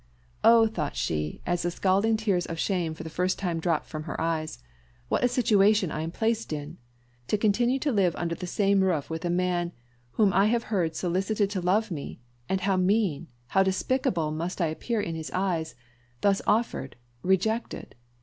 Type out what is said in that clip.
"Oh!" thought she, as the scalding tears of shame for the first time dropped from her eyes, "what a situation am I placed in! To continue to live under the same roof with the man whom I have heard solicited to love me; and how mean how despicable must I appear in his eyes thus offered rejected!